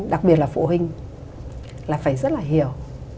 đặc biệt là phụ huynh là phải rất là hiểu